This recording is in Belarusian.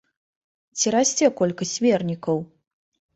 Ці расце колькасць вернікаў?